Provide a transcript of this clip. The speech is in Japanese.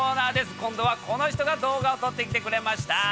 今度はこの人が動画を撮ってきてくれました。